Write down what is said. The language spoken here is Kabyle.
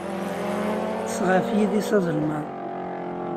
Ṭṭes ɣef yidis azelmaḍ.